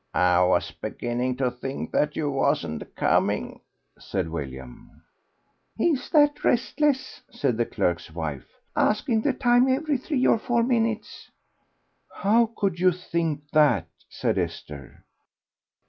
"I was beginning to think that you wasn't coming," said William. "He's that restless," said the clerk's wife; "asking the time every three or four minutes." "How could you think that?" said Esther.